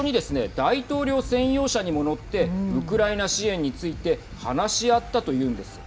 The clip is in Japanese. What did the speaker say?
大統領専用車にも乗ってウクライナ支援について話し合ったというんです。